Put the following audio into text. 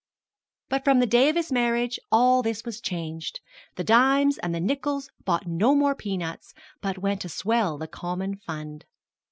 But from the day of his marriage all this was changed; the dimes and the nickels bought no more peanuts, but went to swell the common fund.